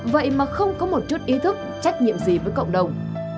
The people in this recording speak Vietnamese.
vậy mà không có một chút ý thức trách nhiệm gì với cộng đồng